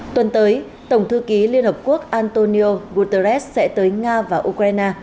tuần tới tổng thư ký liên hợp quốc antonio guterres sẽ tới nga và ukraine